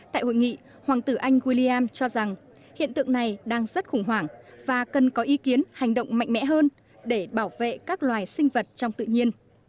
tại hội nghị hoàng tử anh william cho rằng hiện tượng này đang rất khủng hoảng và cần có ý kiến hành động mạnh mẽ hơn để bảo vệ các loài động thực vật hoang dã